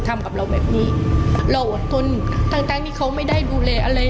ทำกับเราแบบนี้เราอดทนทั้งทั้งที่เขาไม่ได้ดูแลอะไร